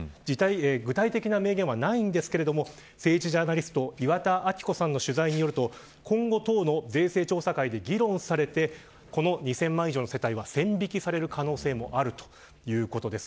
具体的な明言はないんですけど政治ジャーナリスト岩田明子さんの取材によりますと今後、党の税制調査会で議論されて２０００万円以上の世帯は線引きされる可能性もあるということです。